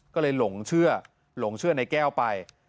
ก็เลยหลงเชื่อในแก้วไป